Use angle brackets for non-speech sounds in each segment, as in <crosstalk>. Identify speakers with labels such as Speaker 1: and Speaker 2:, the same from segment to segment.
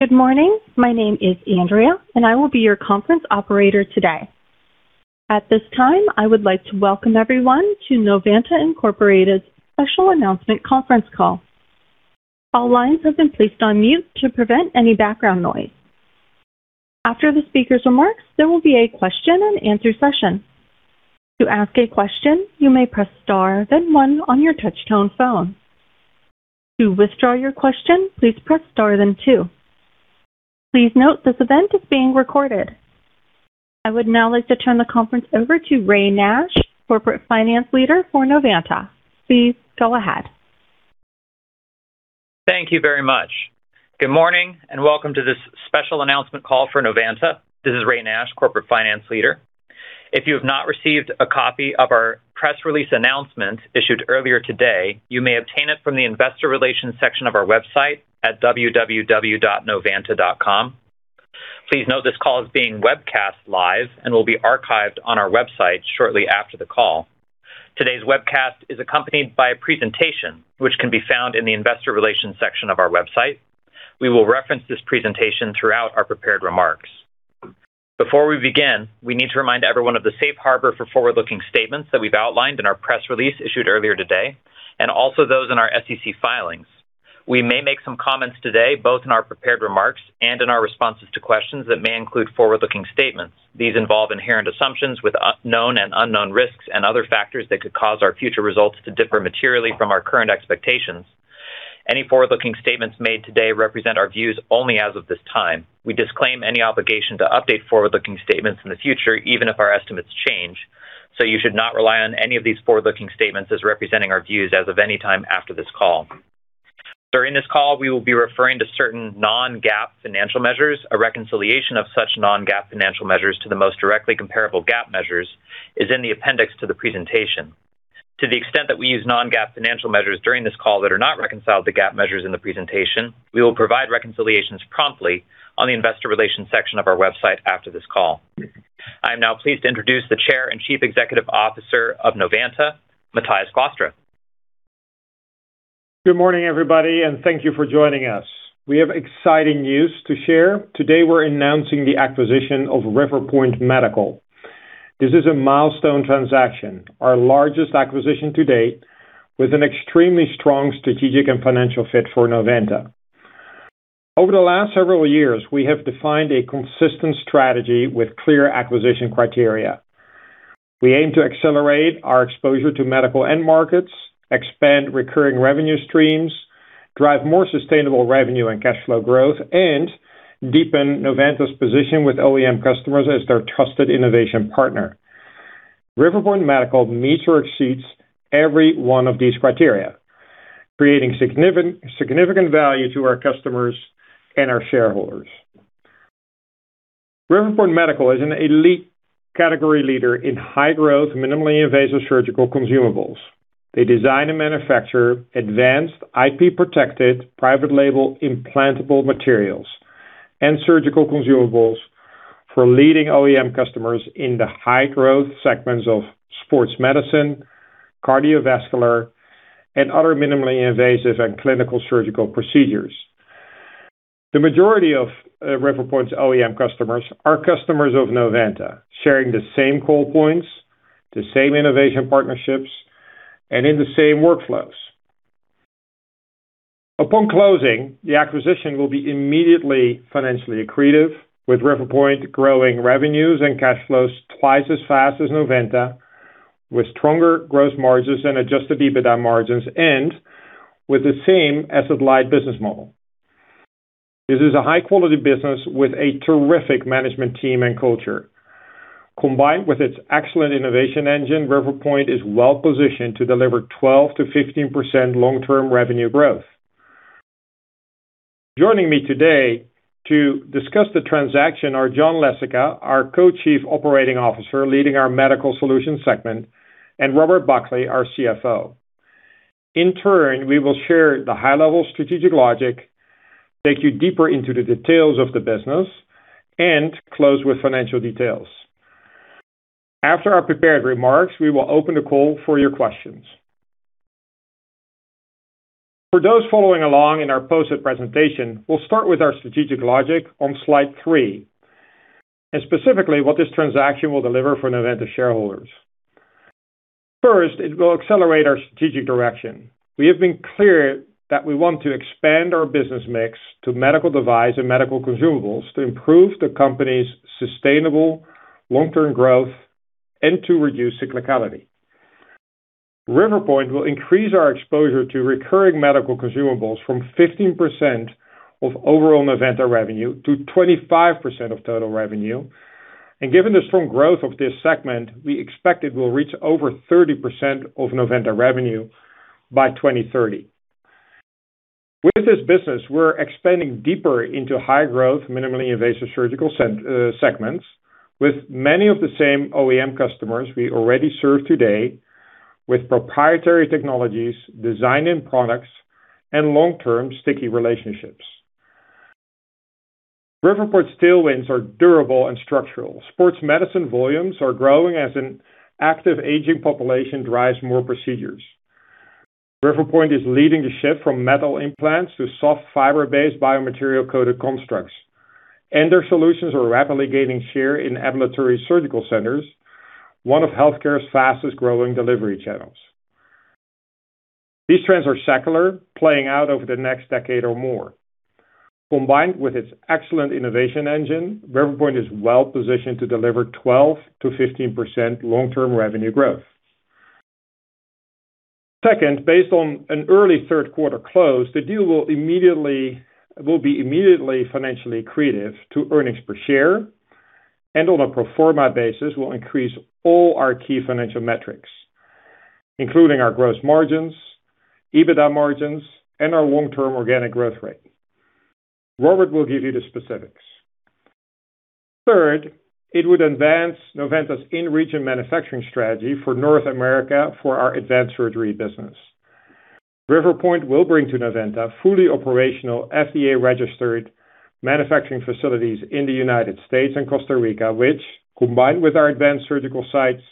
Speaker 1: Good morning. My name is Andrea, and I will be your conference operator today. At this time, I would like to welcome everyone to Novanta Inc. Special Announcement Conference Call. All lines have been placed on mute to prevent any background noise. After the speaker's remarks, there will be a question and answer session. To ask a question, you may press star, then one on your touch-tone phone. To withdraw your question, please press star then two. Please note this event is being recorded. I would now like to turn the conference over to Ray Nash, Corporate Finance Leader for Novanta. Please go ahead.
Speaker 2: Thank you very much. Good morning and welcome to this special announcement call for Novanta. This is Ray Nash, Corporate Finance Leader. If you have not received a copy of our press release announcement issued earlier today, you may obtain it from the investor relations section of our website at www.novanta.com. Please note this call is being webcast live and will be archived on our website shortly after the call. Today's webcast is accompanied by a presentation which can be found in the investor relations section of our website. We will reference this presentation throughout our prepared remarks. Before we begin, we need to remind everyone of the safe harbor for forward-looking statements that we've outlined in our press release issued earlier today, and also those in our SEC filings. We may make some comments today, both in our prepared remarks and in our responses to questions that may include forward-looking statements. These involve inherent assumptions with known and unknown risks and other factors that could cause our future results to differ materially from our current expectations. Any forward-looking statements made today represent our views only as of this time. We disclaim any obligation to update forward-looking statements in the future, even if our estimates change. You should not rely on any of these forward-looking statements as representing our views as of any time after this call. During this call, we will be referring to certain non-GAAP financial measures. A reconciliation of such non-GAAP financial measures to the most directly comparable GAAP measures is in the appendix to the presentation. To the extent that we use non-GAAP financial measures during this call that are not reconciled to GAAP measures in the presentation, we will provide reconciliations promptly on the investor relations section of our website after this call. I am now pleased to introduce the Chair and Chief Executive Officer of Novanta, Matthijs Glastra.
Speaker 3: Good morning, everybody, and thank you for joining us. We have exciting news to share. Today we're announcing the acquisition of Riverpoint Medical. This is a milestone transaction, our largest acquisition to date, with an extremely strong strategic and financial fit for Novanta. Over the last several years, we have defined a consistent strategy with clear acquisition criteria. We aim to accelerate our exposure to medical end markets, expand recurring revenue streams, drive more sustainable revenue and cash flow growth, and deepen Novanta's position with OEM customers as their trusted innovation partner. Riverpoint Medical meets or exceeds every one of these criteria, creating significant value to our customers and our shareholders. Riverpoint Medical is an elite category leader in high growth, minimally invasive surgical consumables. They design and manufacture advanced IP-protected private label implantable materials and surgical consumables for leading OEM customers in the high growth segments of sports medicine, cardiovascular, and other minimally invasive and clinical surgical procedures. The majority of Riverpoint's OEM customers are customers of Novanta, sharing the same call points, the same innovation partnerships, and in the same workflows. Upon closing, the acquisition will be immediately financially accretive, with Riverpoint growing revenues and cash flows twice as fast as Novanta with stronger gross margins and adjusted EBITDA margins and with the same asset-light business model. This is a high-quality business with a terrific management team and culture. Combined with its excellent innovation engine, Riverpoint is well positioned to deliver 12%-15% long-term revenue growth. Joining me today to discuss the transaction are John Lesica, our Co-Chief Operating Officer leading our Medical Solutions segment, and Robert Buckley, our CFO. In turn, we will share the high-level strategic logic, take you deeper into the details of the business, and close with financial details. After our prepared remarks, we will open the call for your questions. For those following along in our posted presentation, we'll start with our strategic logic on slide three, specifically what this transaction will deliver for Novanta shareholders. First, it will accelerate our strategic direction. We have been clear that we want to expand our business mix to medical device and medical consumables to improve the company's sustainable long-term growth and to reduce cyclicality. Riverpoint will increase our exposure to recurring medical consumables from 15% of overall Novanta revenue to 25% of total revenue. Given the strong growth of this segment, we expect it will reach over 30% of Novanta revenue by 2030. With this business, we're expanding deeper into high growth, minimally invasive surgical segments with many of the same OEM customers we already serve today with proprietary technologies, design and products, and long-term sticky relationships. Riverpoint's tailwinds are durable and structural. Sports medicine volumes are growing as an active aging population drives more procedures. Riverpoint is leading the shift from metal implants to soft fiber-based biomaterial-coated constructs. Their solutions are rapidly gaining share in ambulatory surgical centers, one of healthcare's fastest-growing delivery channels. These trends are secular, playing out over the next decade or more. Combined with its excellent innovation engine, Riverpoint is well-positioned to deliver 12%-15% long-term revenue growth. Second, based on an early third quarter close, the deal will be immediately financially accretive to earnings per share, and on a pro forma basis, will increase all our key financial metrics, including our gross margins, EBITDA margins, and our long-term organic growth rate. Robert will give you the specifics. Third, it would advance Novanta's in-region manufacturing strategy for North America for our advanced surgery business. Riverpoint will bring to Novanta fully operational, FDA-registered manufacturing facilities in the United States and Costa Rica, which, combined with our advanced surgical sites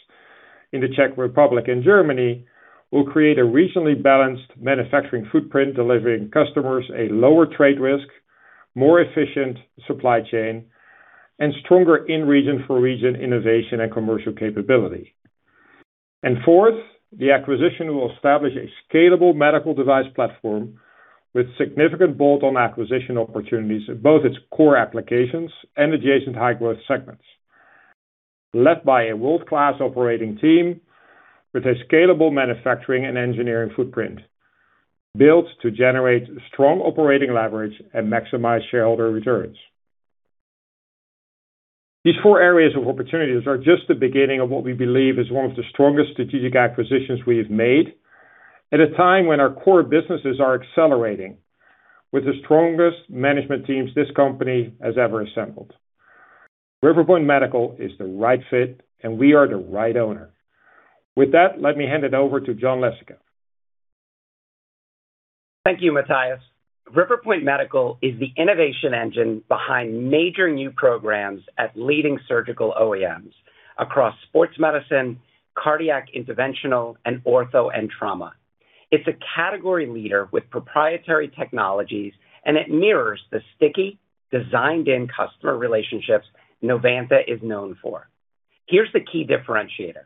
Speaker 3: in the Czech Republic and Germany, will create a regionally balanced manufacturing footprint, delivering customers a lower trade risk, more efficient supply chain, and stronger in-region for region innovation and commercial capability. Fourth, the acquisition will establish a scalable medical device platform with significant bolt-on acquisition opportunities in both its core applications and adjacent high-growth segments, led by a world-class operating team with a scalable manufacturing and engineering footprint built to generate strong operating leverage and maximize shareholder returns. These four areas of opportunities are just the beginning of what we believe is one of the strongest strategic acquisitions we have made at a time when our core businesses are accelerating with the strongest management teams this company has ever assembled. Riverpoint Medical is the right fit, and we are the right owner. With that, let me hand it over to John Lesica.
Speaker 4: Thank you, Matthijs. Riverpoint Medical is the innovation engine behind major new programs at leading surgical OEMs across sports medicine, cardiac interventional, and ortho and trauma. It's a category leader with proprietary technologies, and it mirrors the sticky, designed-in customer relationships Novanta is known for. Here's the key differentiator.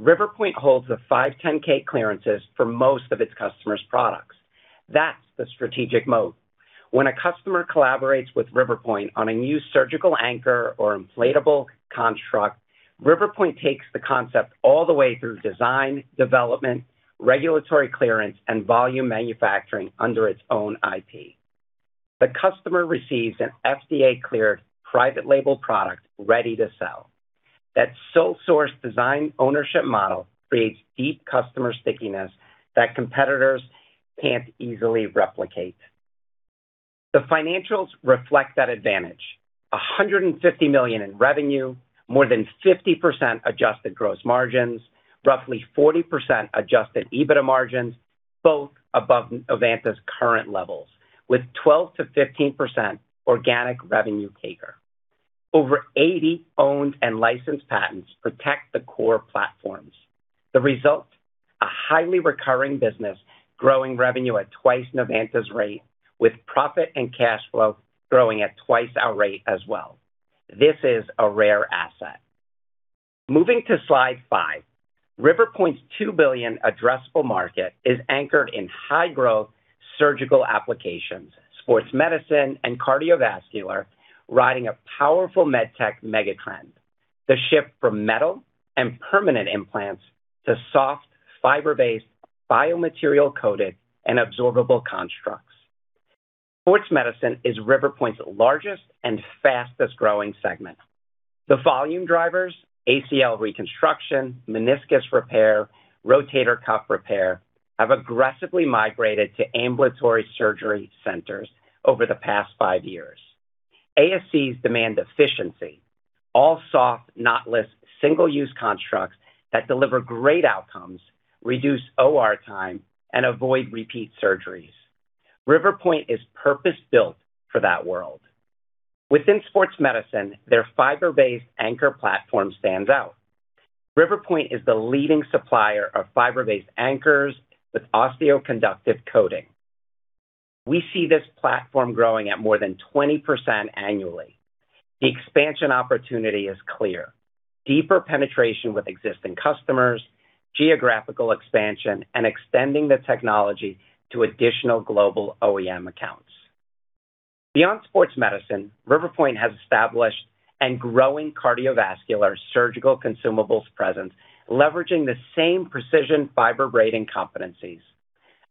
Speaker 4: Riverpoint holds the 510 clearances for most of its customers' products. That's the strategic moat. When a customer collaborates with Riverpoint on a new surgical anchor or inflatable construct, Riverpoint takes the concept all the way through design, development, regulatory clearance, and volume manufacturing under its own IP. The customer receives an FDA-cleared private label product ready to sell. That sole source design ownership model creates deep customer stickiness that competitors can't easily replicate. The financials reflect that advantage. $150 million in revenue, more than 50% adjusted gross margins, roughly 40% adjusted EBITDA margins, both above Novanta's current levels, with 12%-15% organic revenue CAGR. Over 80 owned and licensed patents protect the core platforms. The result, a highly recurring business growing revenue at twice Novanta's rate, with profit and cash flow growing at twice our rate as well. This is a rare asset. Moving to slide five. Riverpoint's $2 billion addressable market is anchored in high growth surgical applications, sports medicine, and cardiovascular, riding a powerful med tech mega-trend. The shift from metal and permanent implants to soft, fiber-based, biomaterial-coated, and absorbable constructs. Sports medicine is Riverpoint's largest and fastest-growing segment. The volume drivers, ACL reconstruction, meniscus repair, rotator cuff repair, have aggressively migrated to ambulatory surgery centers over the past five years. ASCs demand efficiency. All soft, knot-less, single-use constructs that deliver great outcomes reduce OR time and avoid repeat surgeries. Riverpoint is purpose-built for that world. Within sports medicine, their fiber-based anchor platform stands out. Riverpoint is the leading supplier of fiber-based anchors with osteoconductive coating. We see this platform growing at more than 20% annually. The expansion opportunity is clear. Deeper penetration with existing customers, geographical expansion, and extending the technology to additional global OEM accounts. Beyond sports medicine, Riverpoint has established and growing cardiovascular surgical consumables presence, leveraging the same precision fiber braiding competencies,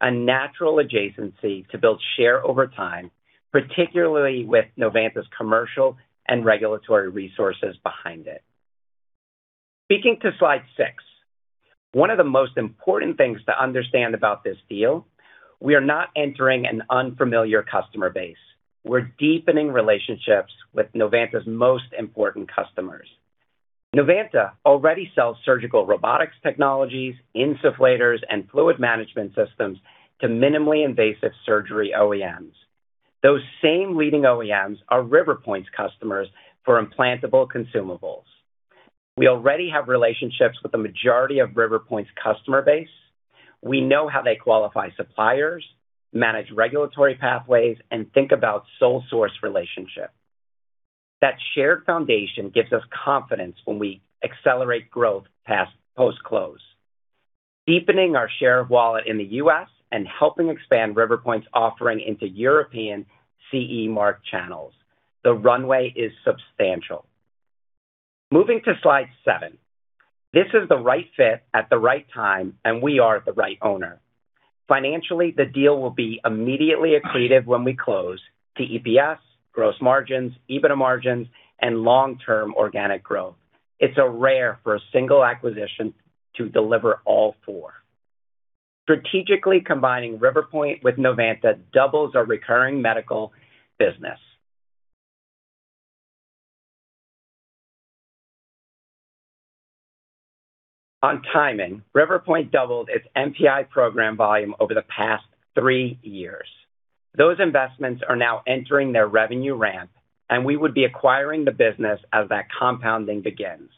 Speaker 4: a natural adjacency to build share over time, particularly with Novanta's commercial and regulatory resources behind it. Speaking to slide seven. One of the most important things to understand about this deal, we are not entering an unfamiliar customer base. We're deepening relationships with Novanta's most important customers. Novanta already sells surgical robotics technologies, insufflators, and fluid management systems to minimally invasive surgery OEMs. Those same leading OEMs are Riverpoint's customers for implantable consumables. We already have relationships with the majority of Riverpoint's customer base. We know how they qualify suppliers, manage regulatory pathways, and think about sole source relationship. That shared foundation gives us confidence when we accelerate growth past post-close. Deepening our share of wallet in the U.S. and helping expand Riverpoint's offering into European CE mark channels. The runway is substantial. Moving to slide seven. This is the right fit at the right time, we are the right owner. Financially, the deal will be immediately accretive when we close to EPS, gross margins, EBITDA margins, and long-term organic growth. It's so rare for a single acquisition to deliver all four. Strategically combining Riverpoint with Novanta doubles our recurring medical business. On timing, Riverpoint doubled its NPI program volume over the past three years. Those investments are now entering their revenue ramp, we would be acquiring the business as that compounding begins.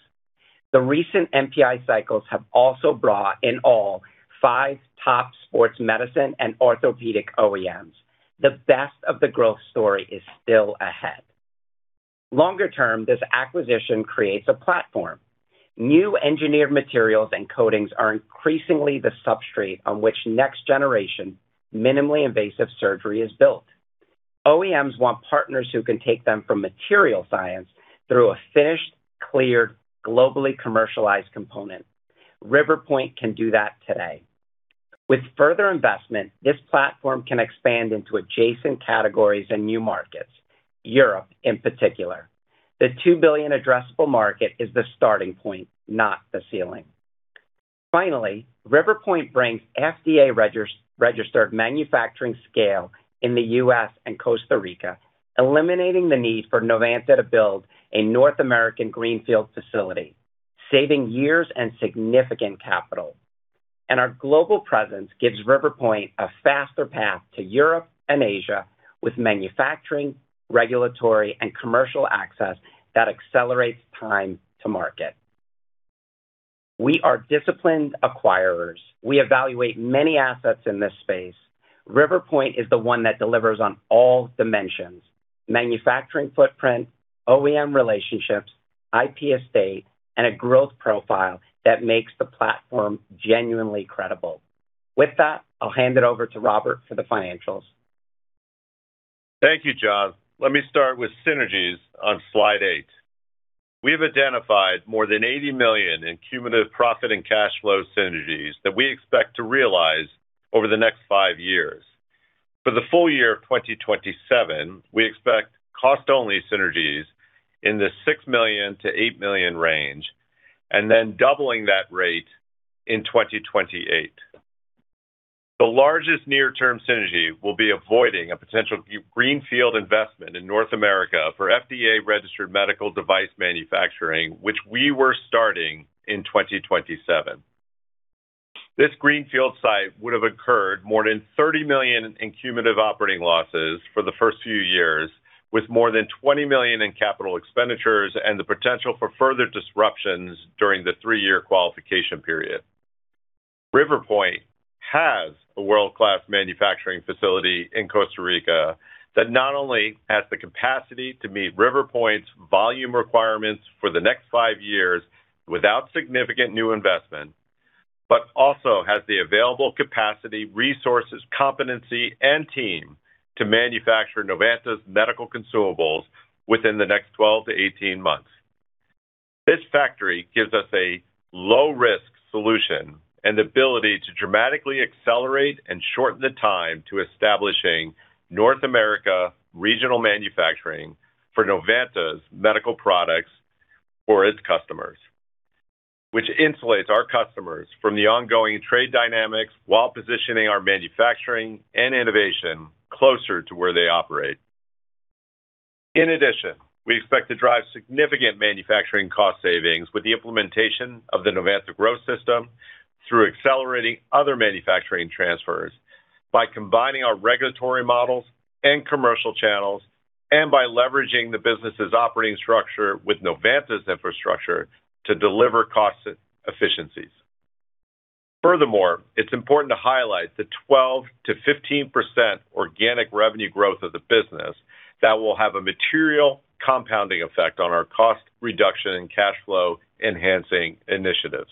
Speaker 4: The recent NPI cycles have also brought in all five top sports medicine and orthopedic OEMs. The best of the growth story is still ahead. Longer term, this acquisition creates a platform. New engineered materials and coatings are increasingly the substrate on which next generation minimally invasive surgery is built. OEMs want partners who can take them from material science through a finished, cleared, globally commercialized component. Riverpoint can do that today. With further investment, this platform can expand into adjacent categories and new markets, Europe in particular. The $2 billion addressable market is the starting point, not the ceiling. Finally, Riverpoint brings FDA-registered manufacturing scale in the U.S. and Costa Rica, eliminating the need for Novanta to build a North American greenfield facility, saving years and significant capital. Our global presence gives Riverpoint a faster path to Europe and Asia with manufacturing, regulatory, and commercial access that accelerates time to market. We are disciplined acquirers. We evaluate many assets in this space. Riverpoint is the one that delivers on all dimensions: manufacturing footprint, OEM relationships, IP estate, and a growth profile that makes the platform genuinely credible. With that, I'll hand it over to Robert for the financials.
Speaker 5: Thank you, John. Let me start with synergies on slide eight. We have identified more than $80 million in cumulative profit and cash flow synergies that we expect to realize over the next five years. For the full year of 2027, we expect cost-only synergies in the $6 million-$8 million range, doubling that rate in 2028. The largest near-term synergy will be avoiding a potential greenfield investment in North America for FDA-registered medical device manufacturing, which we were starting in 2027. This greenfield site would have incurred more than $30 million in cumulative operating losses for the first few years, with more than $20 million in capital expenditures and the potential for further disruptions during the three-year qualification period. Riverpoint has a world-class manufacturing facility in Costa Rica that not only has the capacity to meet Riverpoint's volume requirements for the next five years without significant new investment, but also has the available capacity, resources, competency, and team to manufacture Novanta's medical consumables within the next 12-18 months. This factory gives us a low-risk solution and ability to dramatically accelerate and shorten the time to establishing North America regional manufacturing for Novanta's medical products for its customers, which insulates our customers from the ongoing trade dynamics while positioning our manufacturing and innovation closer to where they operate. In addition, we expect to drive significant manufacturing cost savings with the implementation of the Novanta Growth System through accelerating other manufacturing transfers by combining our regulatory models and commercial channels, by leveraging the business's operating structure with Novanta's infrastructure to deliver cost efficiencies. Furthermore, it's important to highlight the 12%-15% organic revenue growth of the business that will have a material compounding effect on our cost reduction and cash flow enhancing initiatives.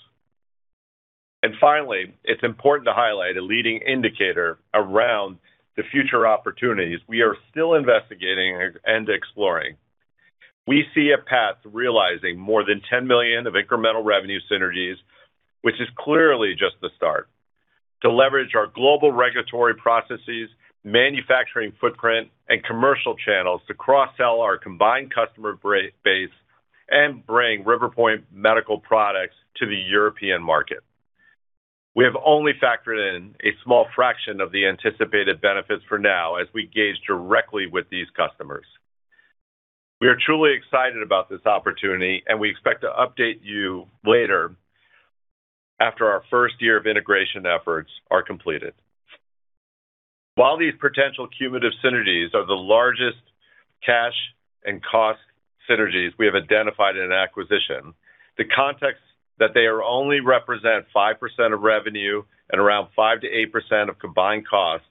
Speaker 5: Finally, it's important to highlight a leading indicator around the future opportunities we are still investigating and exploring. We see a path to realizing more than $10 million of incremental revenue synergies, which is clearly just the start to leverage our global regulatory processes, manufacturing footprint, and commercial channels to cross-sell our combined customer base and bring Riverpoint Medical products to the European market. We have only factored in a small fraction of the anticipated benefits for now as we gauge directly with these customers. We are truly excited about this opportunity, and we expect to update you later after our first year of integration efforts are completed. While these potential cumulative synergies are the largest cash and cost synergies we have identified in an acquisition, the context that they only represent 5% of revenue and around 5%-8% of combined costs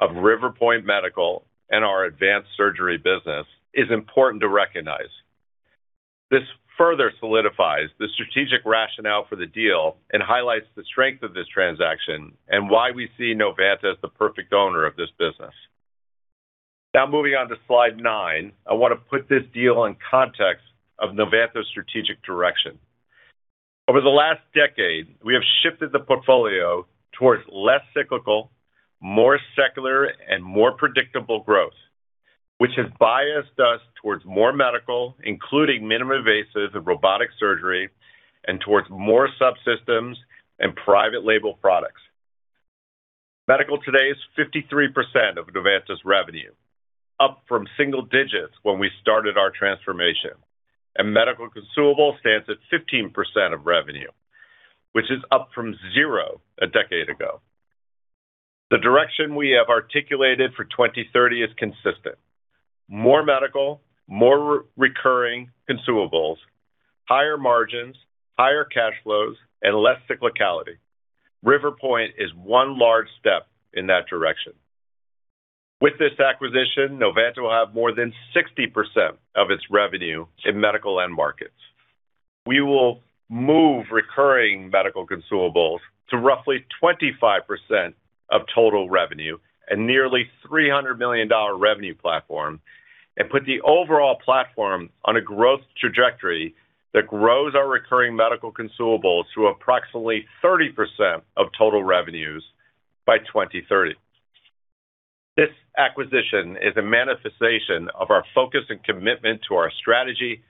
Speaker 5: of Riverpoint Medical and our advanced surgery business is important to recognize. This further solidifies the strategic rationale for the deal and highlights the strength of this transaction and why we see Novanta as the perfect owner of this business. Moving on to slide nine, I want to put this deal in context of Novanta's strategic direction. Over the last decade, we have shifted the portfolio towards less cyclical, more secular, and more predictable growth, which has biased us towards more medical, including minimum invasive and robotic surgery, and towards more subsystems and private label products. Medical today is 53% of Novanta's revenue, up from single digits when we started our transformation, and medical consumable stands at 15% of revenue, which is up from zero a decade ago. The direction we have articulated for 2030 is consistent. More medical, more recurring consumables, higher margins, higher cash flows, and less cyclicality. Riverpoint is one large step in that direction. With this acquisition, Novanta will have more than 60% of its revenue in medical end markets. We will move recurring medical consumables to roughly 25% of total revenue and nearly $300 million revenue platform, and put the overall platform on a growth trajectory that grows our recurring medical consumables to approximately 30% of total revenues by 2030. This acquisition is a manifestation of our focus and commitment to our strategy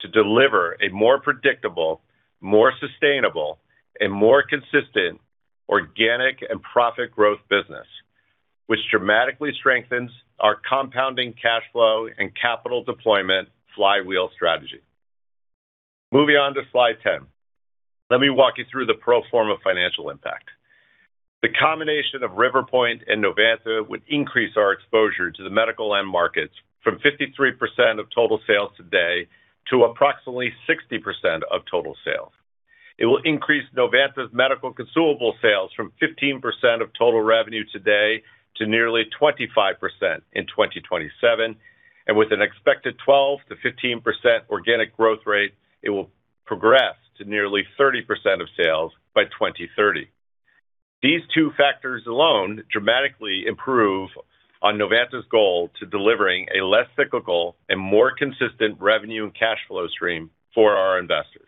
Speaker 5: to deliver a more predictable, more sustainable, and more consistent organic and profit growth business, which dramatically strengthens our compounding cash flow and capital deployment flywheel strategy. Moving on to slide 10. Let me walk you through the pro forma financial impact. The combination of Riverpoint and Novanta would increase our exposure to the medical end markets from 53% of total sales today to approximately 60% of total sales. It will increase Novanta's medical consumable sales from 15% of total revenue today to nearly 25% in 2027, and with an expected 12%-15% organic growth rate, it will progress to nearly 30% of sales by 2030. These two factors alone dramatically improve on Novanta's goal to delivering a less cyclical and more consistent revenue and cash flow stream for our investors.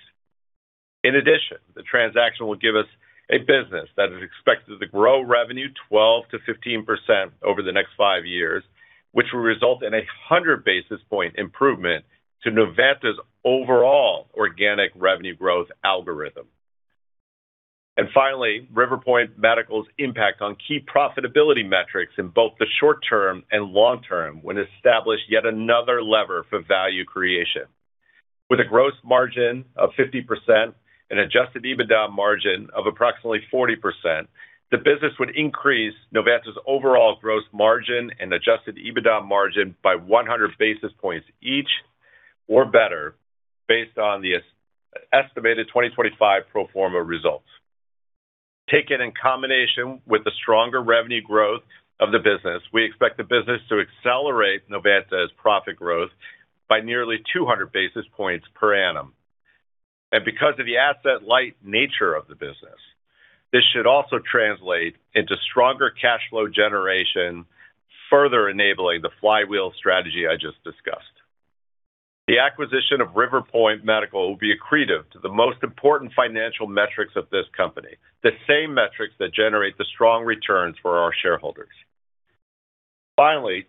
Speaker 5: In addition, the transaction will give us a business that is expected to grow revenue 12%-15% over the next five years, which will result in a 100 basis point improvement to Novanta's overall organic revenue growth algorithm. Finally, Riverpoint Medical's impact on key profitability metrics in both the short term and long term would establish yet another lever for value creation. With a gross margin of 50% and adjusted EBITDA margin of approximately 40%, the business would increase Novanta's overall gross margin and adjusted EBITDA margin by 100 basis points each, or better, based on the estimated 2025 pro forma results. Taken in combination with the stronger revenue growth of the business, we expect the business to accelerate Novanta's profit growth by nearly 200 basis points per annum. Because of the asset-light nature of the business, this should also translate into stronger cash flow generation, further enabling the flywheel strategy I just discussed. The acquisition of Riverpoint Medical will be accretive to the most important financial metrics of this company, the same metrics that generate the strong returns for our shareholders. Finally,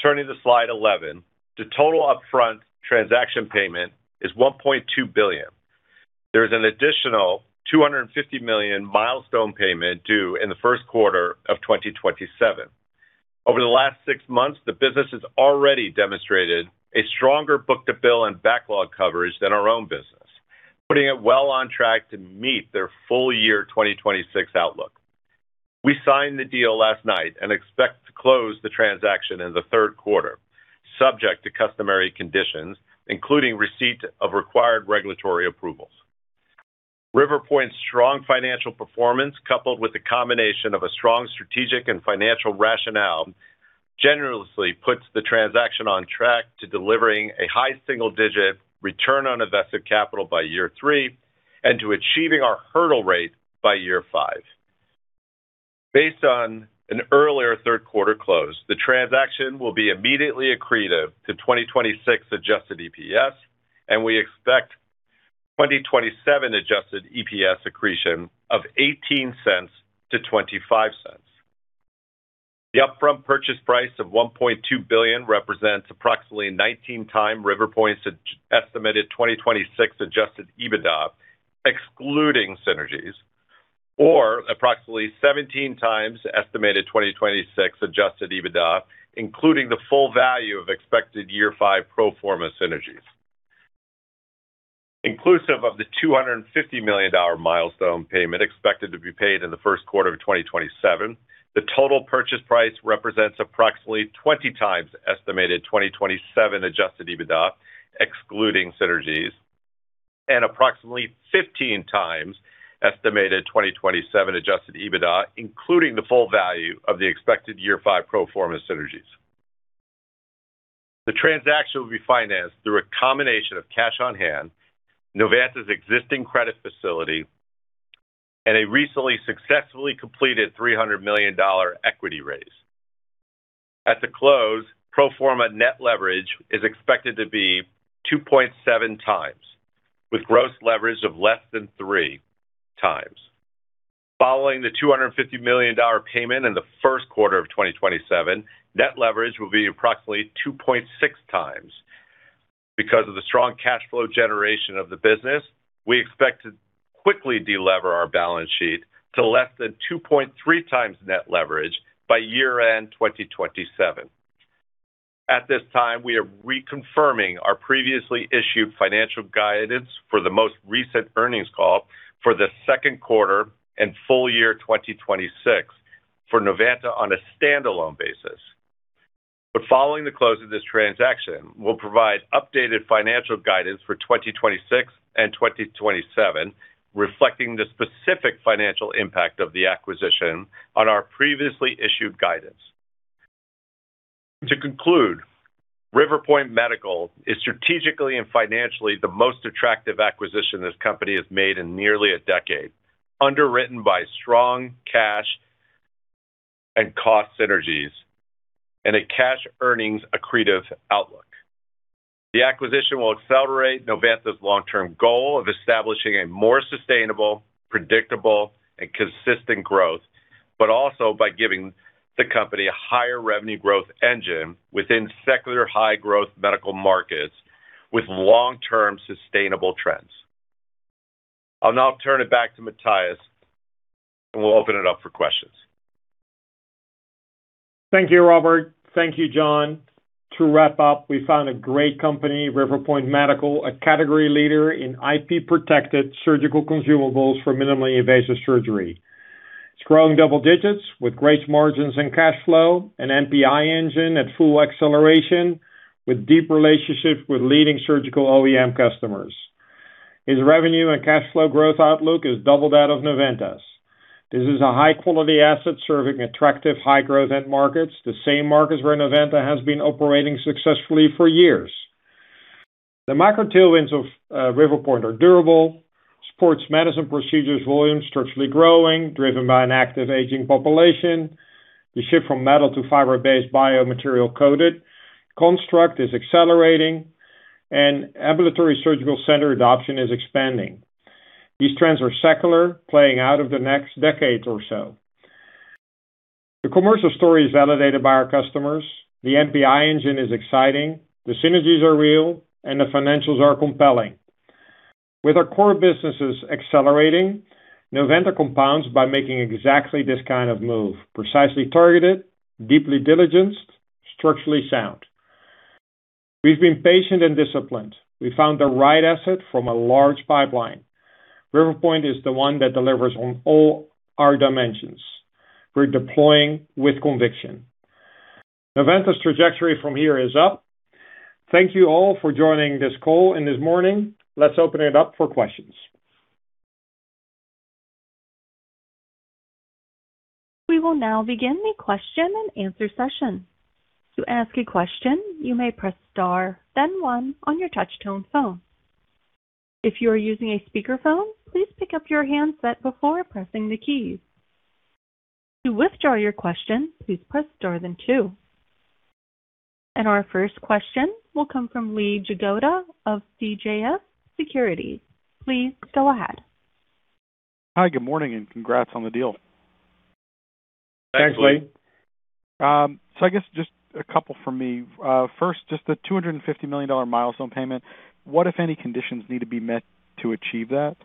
Speaker 5: turning to slide 11. The total upfront transaction payment is $1.2 billion. There is an additional $250 million milestone payment due in the first quarter of 2027. Over the last six months, the business has already demonstrated a stronger book-to-bill and backlog coverage than our own business, putting it well on track to meet their full year 2026 outlook. We signed the deal last night and expect to close the transaction in the third quarter, subject to customary conditions, including receipt of required regulatory approvals. Riverpoint's strong financial performance, coupled with the combination of a strong strategic and financial rationale, generously puts the transaction on track to delivering a high single-digit return on invested capital by year three and to achieving our hurdle rate by year five. Based on an earlier third quarter close, the transaction will be immediately accretive to 2026 adjusted EPS, and we expect 2027 adjusted EPS accretion of $0.18-$0.25. The upfront purchase price of $1.2 billion represents approximately 19x Riverpoint's estimated 2026 adjusted EBITDA, excluding synergies, or approximately 17x the estimated 2026 adjusted EBITDA, including the full value of expected year five pro forma synergies. Inclusive of the $250 million milestone payment expected to be paid in the first quarter of 2027. The total purchase price represents approximately 20x the estimated 2027 adjusted EBITDA, excluding synergies, and approximately 15x estimated 2027 adjusted EBITDA, including the full value of the expected year five pro forma synergies. The transaction will be financed through a combination of cash on hand, Novanta's existing credit facility, and a recently successfully completed $300 million equity raise. At the close, pro forma net leverage is expected to be 2.7x, with gross leverage of less than 3x. Following the $250 million payment in the first quarter of 2027, net leverage will be approximately 2.6x. Because of the strong cash flow generation of the business, we expect to quickly de-lever our balance sheet to less than 2.3x net leverage by year-end 2027. At this time, we are reconfirming our previously issued financial guidance for the most recent earnings call for the second quarter and full year 2026 for Novanta on a standalone basis. Following the close of this transaction, we'll provide updated financial guidance for 2026 and 2027, reflecting the specific financial impact of the acquisition on our previously issued guidance. To conclude, Riverpoint Medical is strategically and financially the most attractive acquisition this company has made in nearly a decade, underwritten by strong cash and cost synergies and a cash earnings accretive outlook. The acquisition will accelerate Novanta's long-term goal of establishing a more sustainable, predictable, and consistent growth, also by giving the company a higher revenue growth engine within secular high growth medical markets with long-term sustainable trends. I'll now turn it back to Matthijs, and we'll open it up for questions.
Speaker 3: Thank you, Robert. Thank you, John. To wrap up, we found a great company, Riverpoint Medical, a category leader in IP-protected surgical consumables for minimally invasive surgery. It's growing double digits with great margins and cash flow, an NPI engine at full acceleration with deep relationships with leading surgical OEM customers. Its revenue and cash flow growth outlook is double that of Novanta's. This is a high-quality asset serving attractive high-growth end markets, the same markets where Novanta has been operating successfully for years. The micro tailwinds of Riverpoint are durable, sports medicine procedures volume structurally growing, driven by an active aging population. The shift from metal to fiber-based biomaterial-coated construct is accelerating, and ambulatory surgical center adoption is expanding. These trends are secular, playing out over the next decade or so. The commercial story is validated by our customers. The NPI engine is exciting, the synergies are real, the financials are compelling. With our core businesses accelerating, Novanta compounds by making exactly this kind of move, precisely targeted, deeply diligenced, structurally sound. We've been patient and disciplined. We found the right asset from a large pipeline. Riverpoint is the one that delivers on all our dimensions. We're deploying with conviction. Novanta's trajectory from here is up. Thank you all for joining this call and this morning. Let's open it up for questions.
Speaker 1: We will now begin the question and answer session. To ask a question, you may press star then one on your touch-tone phone. If you are using a speakerphone, please pick up your handset before pressing the keys. To withdraw your question, please press star then two. Our first question will come from Lee Jagoda of CJS Securities. Please go ahead.
Speaker 6: Hi, good morning, congrats on the deal.
Speaker 5: Thanks, Lee.
Speaker 3: Thanks, Lee.
Speaker 6: I guess just a couple from me. First, just the $250 million milestone payment. What if any conditions need to be met to achieve that?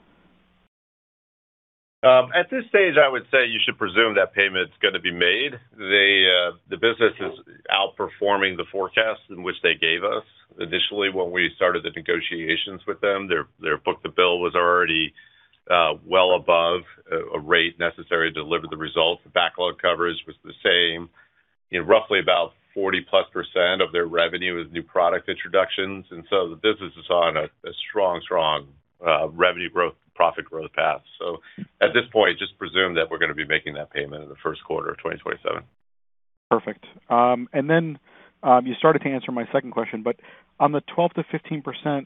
Speaker 5: At this stage, I would say you should presume that payment's going to be made. The business is outperforming the forecast in which they gave us. Initially, when we started the negotiations with them, their book-to-bill was already well above a rate necessary to deliver the results. The backlog coverage was the same. Roughly about 40%+ of their revenue is new product introductions, the business is on a strong revenue growth, profit growth path. At this point, just presume that we're going to be making that payment in the first quarter of 2027.
Speaker 6: Perfect. Then you started to answer my second question, but on the 12%-15%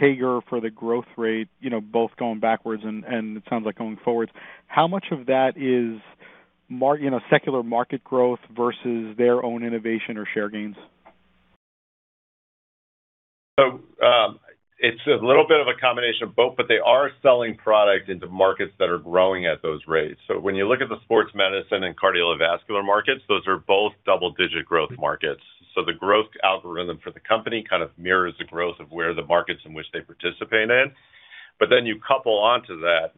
Speaker 6: CAGR for the growth rate, both going backwards and it sounds like going forwards, how much of that is secular market growth versus their own innovation or share gains?
Speaker 5: It's a little bit of a combination of both, but they are selling product into markets that are growing at those rates. When you look at the sports medicine and cardiovascular markets, those are both double-digit growth markets. The growth algorithm for the company kind of mirrors the growth of where the markets in which they participate in. Then you couple onto that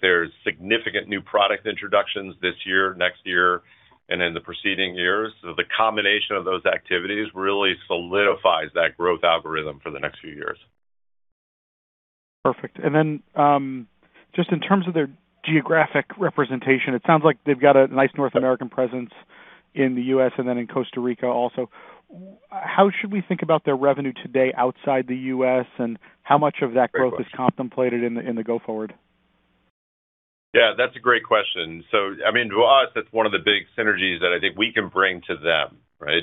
Speaker 5: there's significant new product introductions this year, next year, and in the proceeding years. The combination of those activities really solidifies that growth algorithm for the next few years.
Speaker 6: Perfect. Then, just in terms of their geographic representation, it sounds like they've got a nice North American presence in the U.S. and then in Costa Rica also. How should we think about their revenue today outside the U.S., and how much of that growth.
Speaker 5: Great question.
Speaker 6: is contemplated in the go forward?
Speaker 5: Yeah, that's a great question. I mean, to us, that's one of the big synergies that I think we can bring to them, right?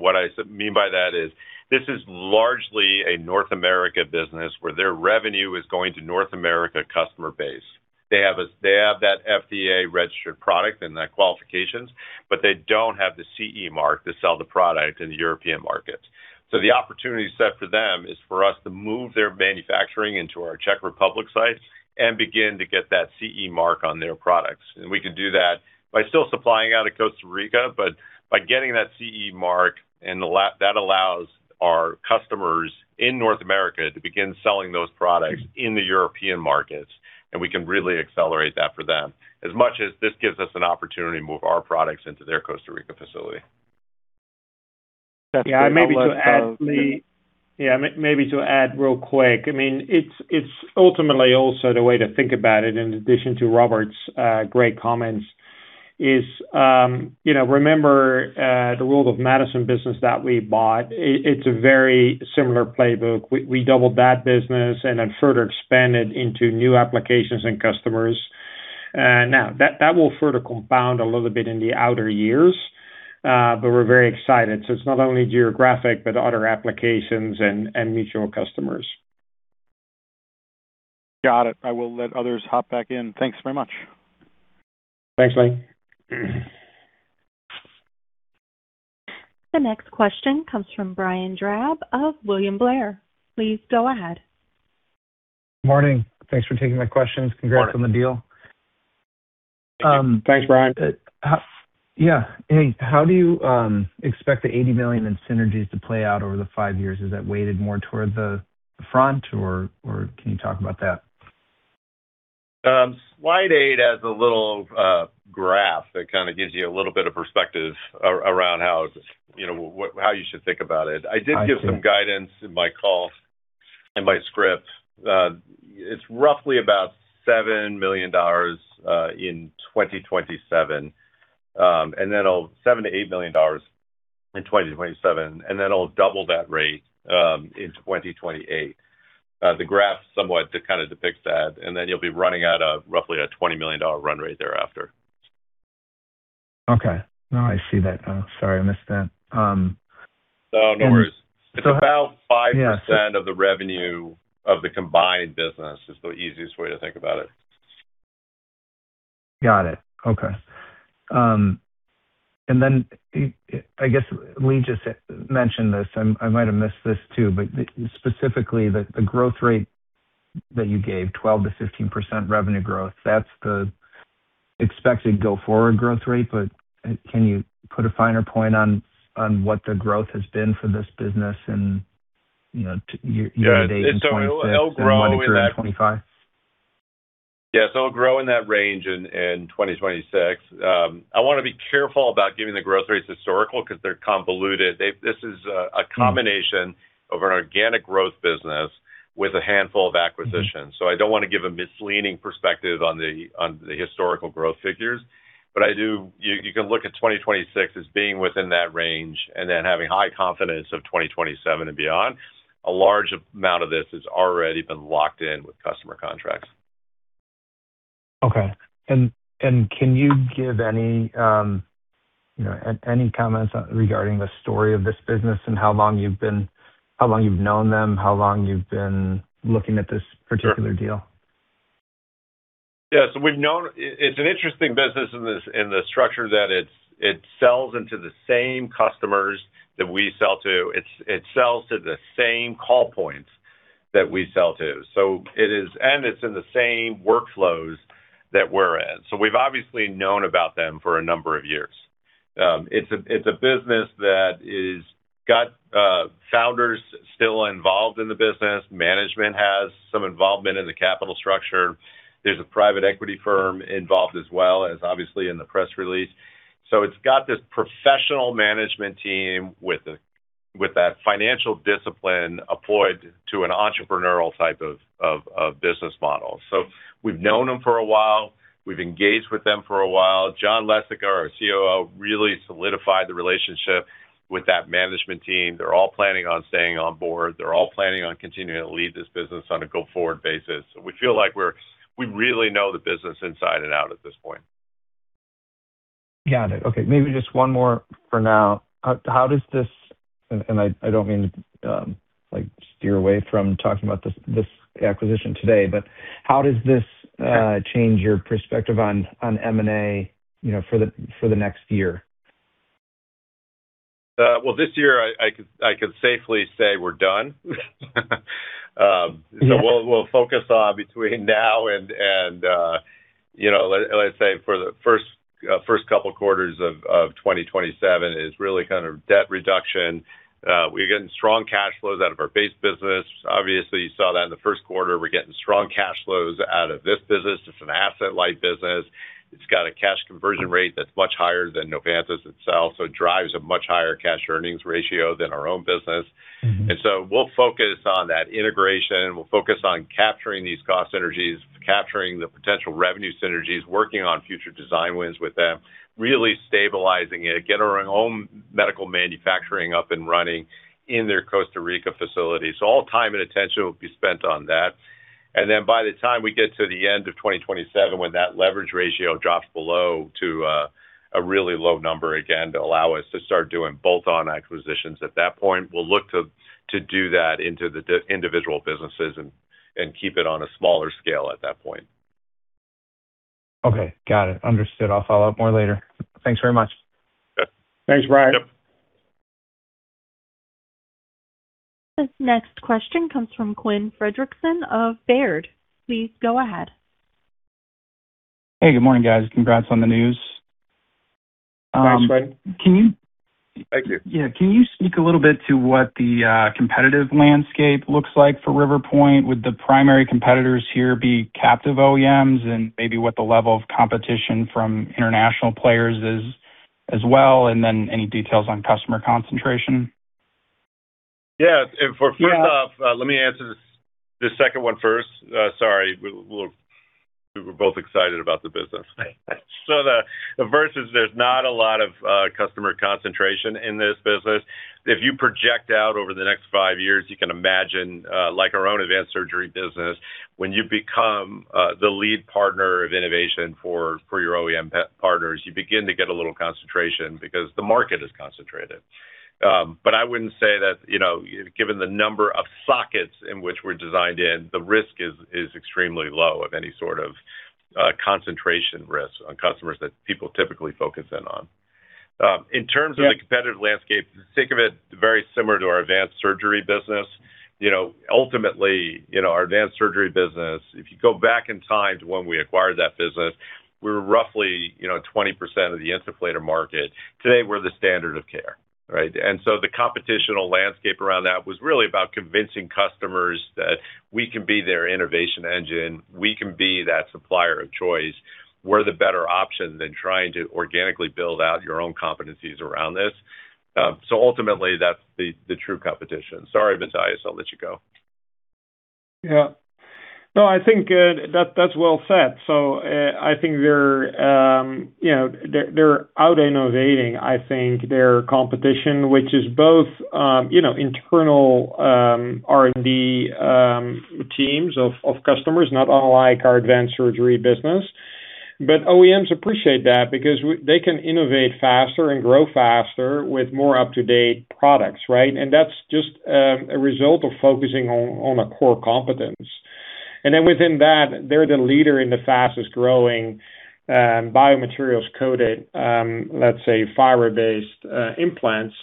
Speaker 5: What I mean by that is this is largely a North America business where their revenue is going to North America customer base. They have that FDA-registered product and the qualifications, but they don't have the CE mark to sell the product in the European market. The opportunity set for them is for us to move their manufacturing into our Czech Republic site and begin to get that CE mark on their products. We can do that by still supplying out of Costa Rica, but by getting that CE mark, and that allows our customers in North America to begin selling those products in the European markets, and we can really accelerate that for them. As much as this gives us an opportunity to move our products into their Costa Rica facility.
Speaker 3: <crosstalk> Yeah. Maybe to add, Lee. Maybe to add real quick, it's ultimately also the way to think about it, in addition to Robert's great comments, is remember the World of Medicine business that we bought. It's a very similar playbook. We doubled that business and then further expanded into new applications and customers. Now, that will further compound a little bit in the outer years, but we're very excited. It's not only geographic, but other applications and mutual customers.
Speaker 6: Got it. I will let others hop back in. Thanks very much.
Speaker 3: Thanks, Lee.
Speaker 1: The next question comes from Brian Drab of William Blair. Please go ahead.
Speaker 7: Morning. Thanks for taking my questions.
Speaker 3: Morning.
Speaker 7: Congrats on the deal.
Speaker 5: Thanks, Brian.
Speaker 7: Yeah. Hey, how do you expect the $80 million in synergies to play out over the five years? Is that weighted more towards the front, or can you talk about that?
Speaker 5: Slide eight has a little graph that kind of gives you a little bit of perspective around how you should think about it.
Speaker 7: I see.
Speaker 5: I did give some guidance in my call, in my script. It's roughly about $7 million in 2027, and then it'll $7 million-$8 million in 2027, and then it'll double that rate in 2028. The graph somewhat depicts that, and then you'll be running at a roughly a $20 million run rate thereafter.
Speaker 7: Okay. No, I see that now. Sorry, I missed that.
Speaker 5: No, no worries.
Speaker 7: And so-
Speaker 5: It's about 5% of the revenue of the combined business, is the easiest way to think about it.
Speaker 7: Got it. Okay. Then, I guess Lee just mentioned this. I might have missed this too, but specifically the growth rate that you gave, 12%-15% revenue growth, that's the expected go forward growth rate, but can you put a finer point on what the growth has been for this business in year-
Speaker 5: Yeah
Speaker 7: <crosstalk> days in 2026 and what it was in 2025?
Speaker 5: It'll grow in that range in 2026. I want to be careful about giving the growth rates historical, because they're convoluted. This is a combination of an organic growth business with a handful of acquisitions. I don't want to give a misleading perspective on the historical growth figures. I do. You can look at 2026 as being within that range and then having high confidence of 2027 and beyond. A large amount of this has already been locked in with customer contracts.
Speaker 7: Okay. Can you give any comments regarding the story of this business and how long you've known them, how long you've been looking at this particular deal?
Speaker 5: Sure. Yeah. We've known. It's an interesting business in the structure that it sells into the same customers that we sell to. It sells to the same call points that we sell to. It's in the same workflows that we're in. We've obviously known about them for a number of years. It's a business that has got founders still involved in the business. Management has some involvement in the capital structure. There's a private equity firm involved as well, as obviously in the press release. It's got this professional management team with that financial discipline applied to an entrepreneurial type of business model. We've known them for a while. We've engaged with them for a while. John Lesica, our COO, really solidified the relationship with that management team. They're all planning on staying on board. They're all planning on continuing to lead this business on a go-forward basis. We feel like we really know the business inside and out at this point.
Speaker 7: Got it. Okay. Maybe just one more for now. How does this, and I don't mean to steer away from talking about this acquisition today, but how does this-
Speaker 5: Okay
Speaker 7: change your perspective on M&A for the next year?
Speaker 5: Well, this year, I could safely say we're done.
Speaker 7: Yeah.
Speaker 5: We'll focus on between now and let's say for the first couple quarters of 2027 is really kind of debt reduction. We're getting strong cash flows out of our base business. Obviously, you saw that in the first quarter. We're getting strong cash flows out of this business. It's an asset-light business. It's got a cash conversion rate that's much higher than Novanta's itself, so it drives a much higher cash earnings ratio than our own business. We'll focus on that integration. We'll focus on capturing these cost synergies, capturing the potential revenue synergies, working on future design wins with them, really stabilizing it, getting our own medical manufacturing up and running in their Costa Rica facility. All time and attention will be spent on that. By the time we get to the end of 2027, when that leverage ratio drops below to a really low number again to allow us to start doing bolt-on acquisitions, at that point, we'll look to do that into the individual businesses and keep it on a smaller scale at that point.
Speaker 7: Okay. Got it. Understood. I'll follow up more later. Thanks very much.
Speaker 5: Okay.
Speaker 3: Thanks, Brian.
Speaker 7: Yep.
Speaker 1: This next question comes from Quinn Fredrickson of Baird. Please go ahead.
Speaker 8: Hey, good morning, guys. Congrats on the news.
Speaker 5: Thanks, Quinn.
Speaker 8: Can you.
Speaker 3: Thank you.
Speaker 8: Yeah. Can you speak a little bit to what the competitive landscape looks like for Riverpoint Medical? Would the primary competitors here be captive OEMs, and maybe what the level of competition from international players is as well, and then any details on customer concentration?
Speaker 5: Yeah. First off, let me answer the second one first. Sorry. We were both excited about the business.
Speaker 8: Right.
Speaker 5: The first is there's not a lot of customer concentration in this business. If you project out over the next five years, you can imagine, like our own advanced surgery business, when you become the lead partner of innovation for your OEM partners, you begin to get a little concentration because the market is concentrated. But I wouldn't say that, given the number of sockets in which we're designed in, the risk is extremely low of any sort of concentration risk on customers that people typically focus in on. In terms of the competitive landscape, think of it very similar to our advanced surgery business. Ultimately, our advanced surgery business, if you go back in time to when we acquired that business, we were roughly 20% of the insufflator market. Today, we're the standard of care, right? The competitional landscape around that was really about convincing customers that we can be their innovation engine. We can be that supplier of choice. We're the better option than trying to organically build out your own competencies around this. Ultimately, that's the true competition. Sorry, Matthijs, I'll let you go.
Speaker 3: No, I think that's well said. I think they're out-innovating, I think, their competition, which is both internal R&D teams of customers, not unlike our advanced surgery business. OEMs appreciate that because they can innovate faster and grow faster with more up-to-date products, right? That's just a result of focusing on a core competence. Within that, they're the leader in the fastest-growing biomaterials-coated, let's say, fiber-based implants,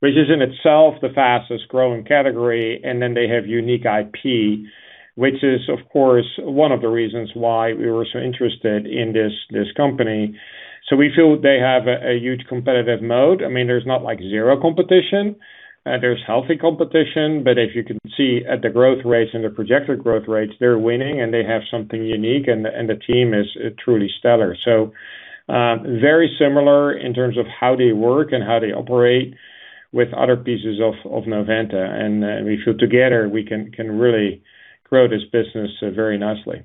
Speaker 3: which is in itself the fastest-growing category. They have unique IP, which is, of course, one of the reasons why we were so interested in this company. We feel they have a huge competitive mode. There's not zero competition. There's healthy competition. As you can see at the growth rates and the projected growth rates, they're winning, and they have something unique, and the team is truly stellar. Very similar in terms of how they work and how they operate with other pieces of Novanta. We feel together, we can really grow this business very nicely.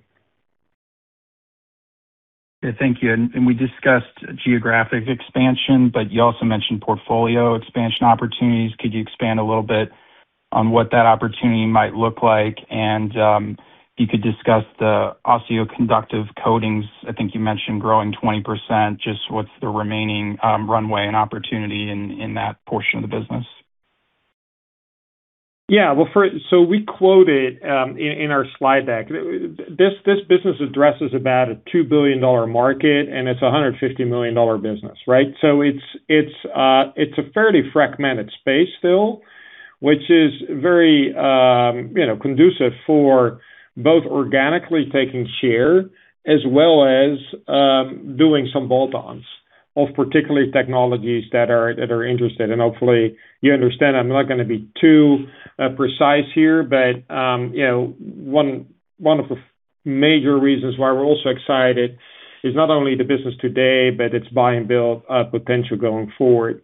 Speaker 8: Thank you. We discussed geographic expansion, but you also mentioned portfolio expansion opportunities. Could you expand a little bit on what that opportunity might look like? If you could discuss the osteoconductive coatings, I think you mentioned growing 20%, just what's the remaining runway and opportunity in that portion of the business?
Speaker 3: We quoted in our slide deck, this business addresses about a $2 billion market, and it's a $150 million business, right? It's a fairly fragmented space still, which is very conducive for both organically taking share as well as doing some bolt-ons of particular technologies that are interested. Hopefully, you understand I'm not going to be too precise here, but one of the major reasons why we're also excited is not only the business today, but its buy and build potential going forward.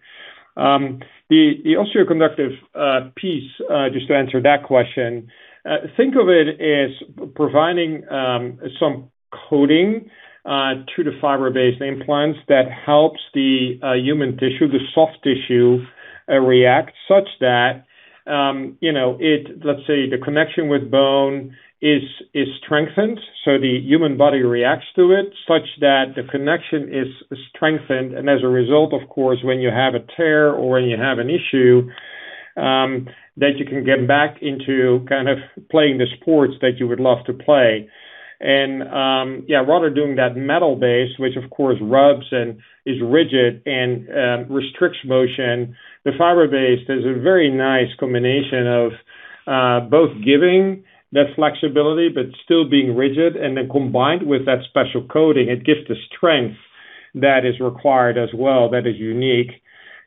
Speaker 3: The osteoconductive piece, just to answer that question, think of it as providing some coating to the fiber-based implants that helps the human tissue, the soft tissue, react such that, let's say, the connection with bone is strengthened, so the human body reacts to it such that the connection is strengthened. As a result, of course, when you have a tear or when you have an issue, that you can get back into kind of playing the sports that you would love to play. Rather doing that metal-based, which of course rubs and is rigid and restricts motion, the fiber-based is a very nice combination of both giving that flexibility but still being rigid. Combined with that special coating, it gives the strength that is required as well, that is unique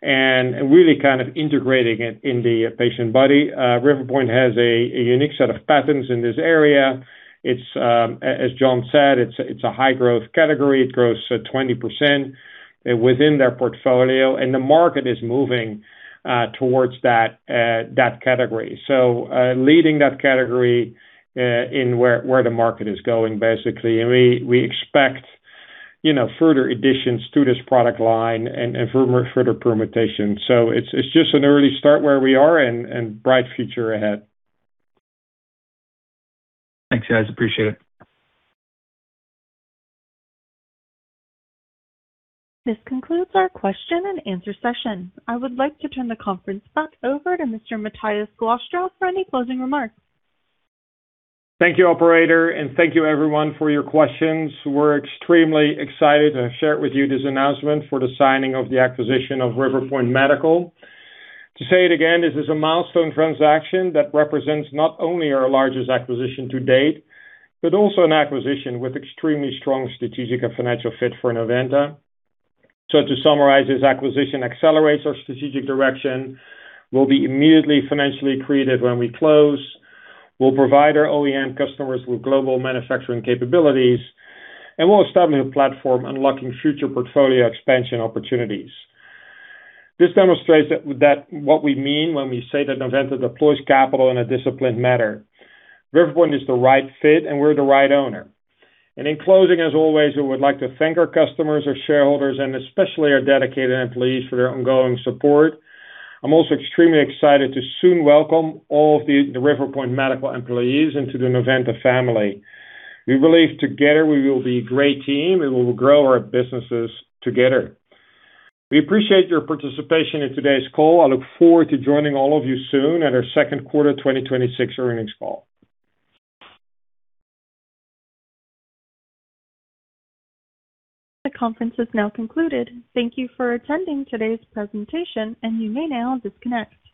Speaker 3: and really kind of integrating it in the patient body. Riverpoint Medical has a unique set of patents in this area. As John said, it's a high growth category. It grows at 20% within their portfolio, and the market is moving towards that category. Leading that category in where the market is going, basically. We expect further additions to this product line and further permutation. It's just an early start where we are and bright future ahead.
Speaker 8: Thanks, guys, appreciate it.
Speaker 1: This concludes our question and answer session. I would like to turn the conference back over to Mr. Matthijs Glastra for any closing remarks.
Speaker 3: Thank you, operator, and thank you everyone for your questions. We're extremely excited to share with you this announcement for the signing of the acquisition of Riverpoint Medical. To say it again, this is a milestone transaction that represents not only our largest acquisition to date, but also an acquisition with extremely strong strategic and financial fit for Novanta. To summarize, this acquisition accelerates our strategic direction, will be immediately financially accretive when we close, will provide our OEM customers with global manufacturing capabilities, and will establish a platform unlocking future portfolio expansion opportunities. This demonstrates that what we mean when we say that Novanta deploys capital in a disciplined manner. Riverpoint Medical is the right fit, and we're the right owner. In closing, as always, we would like to thank our customers, our shareholders, and especially our dedicated employees for their ongoing support. I'm also extremely excited to soon welcome all of the Riverpoint Medical employees into the Novanta family. We believe together we will be a great team, and we will grow our businesses together. We appreciate your participation in today's call. I look forward to joining all of you soon at our second quarter 2026 earnings call.
Speaker 1: The conference is now concluded. Thank you for attending today's presentation. You may now disconnect.